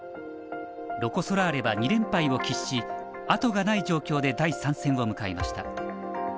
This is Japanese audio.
ロコ・ソラーレは２連敗を喫し後がない状況で第３戦を迎えました。